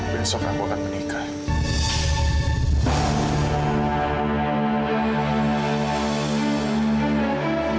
bencong kamu akan menikah